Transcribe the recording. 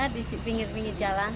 di pinggir pinggir jalan